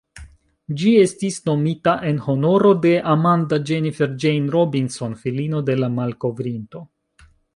Ĝi estis nomita en honoro de "Amanda Jennifer Jane Robinson", filino de la malkovrinto.